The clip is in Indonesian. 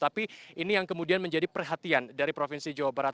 tapi ini yang kemudian menjadi perhatian dari provinsi jawa barat